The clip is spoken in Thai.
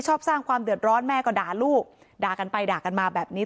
ชอบสร้างความเดือดร้อนแม่ก็ด่าลูกด่ากันไปด่ากันมาแบบนี้